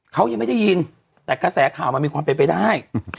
เขายังไม่ได้ยินแต่กระแสข่าวมันมีความเป็นไปได้